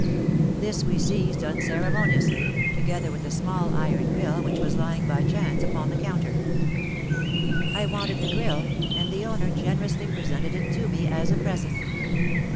This we seized unceremoniously, together with a small iron grille which was lying by chance upon the counter. I wanted the grille, and the owner generously presented it to me as a present.